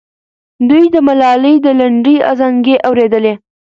دوی د ملالۍ د لنډۍ ازانګې اورېدلې.